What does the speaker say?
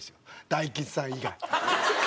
大吉さん以外。